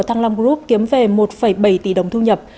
thăng long group kiếm về một bảy tỷ đồng thu nhập